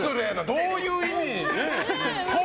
どういう意味。